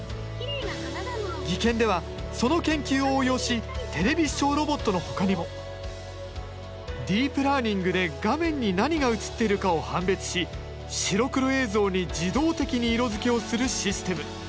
技研ではその研究を応用しテレビ視聴ロボットの他にもディープラーニングで画面に何が映っているかを判別し白黒映像に自動的に色付けをするシステム。